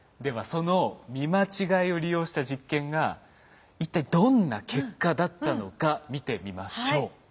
その見間違えを利用した実験が一体どんな結果だったのか見てみましょう。